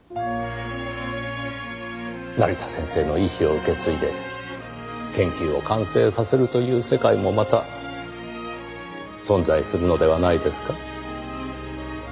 成田先生の遺志を受け継いで研究を完成させるという世界もまた存在するのではないですか？